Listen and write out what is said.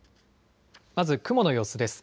まず雲の様子です。